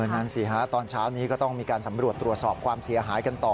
นั่นสิฮะตอนเช้านี้ก็ต้องมีการสำรวจตรวจสอบความเสียหายกันต่อ